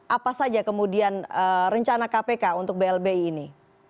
apa saja kemudian rencana kpk untuk blbi ini